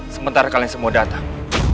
sementara kalian semua datang